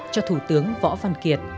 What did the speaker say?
cho thủ tướng võ văn kiệt